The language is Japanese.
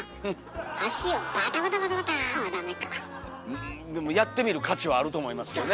うんでもやってみる価値はあると思いますけどね。